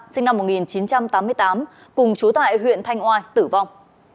sinh năm một nghìn chín trăm tám mươi tám cùng chú tại huyện thanh oai tử vong